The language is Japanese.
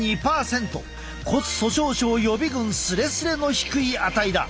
骨粗しょう症予備軍スレスレの低い値だ。